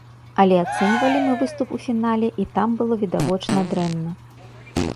Але ацэньвалі мы выступ у фінале, і там было відавочна дрэнна.